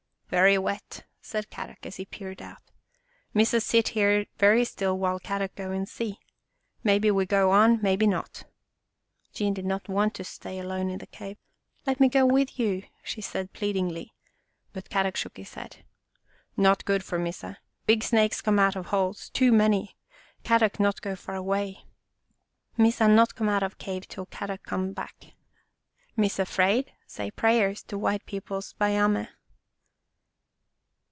" Very wet," said Kadok as he peered out. " Missa sit here very still while Kadok go and see. Maybe we go on, maybe not." Jean did not want to stay alone in the cave. " Let me go with you," she said pleadingly, but Kadok shook his head. " Not good for Missa. Big snakes come out of holes. Too many. Kadok not go far away. Missa not come out of cave till Kadok come back. Missa 'fraid, say prayers to white peo ple's Baiame."